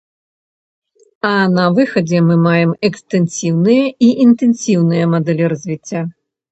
А на выхадзе мы маем экстэнсіўныя і інтэнсіўныя мадэлі развіцця.